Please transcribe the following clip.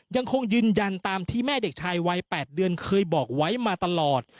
ยังคงยืนยันตามที่แม่เด็กชายวัย๘เดือนเคยบอกไว้มาตลอด